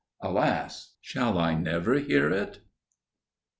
Alas! Shall I never hear it?